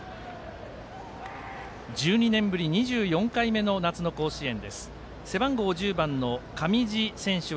１２年ぶり２４回目の夏の甲子園。